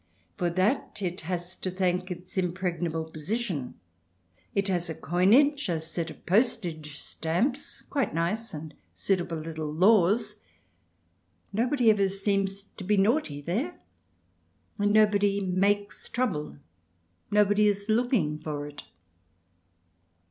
For that it has to thank its impreg nable position. It has a coinage, a set of postage stamps, quite nice and suitable little laws. Nobody ever seems to be naughty there, and nobody makes trouble ; nobody is looking for it.